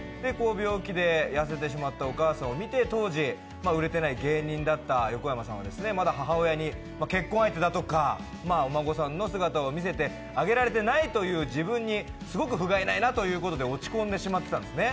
病気で痩せてしまったお母さんを見て当時、売れていない芸人だった横山さんは、まだ母親に結婚相手だとかお孫さんの姿を見せられてあげられていないという自分をすごくふがいないなと思って落ち込んでしまったんですね。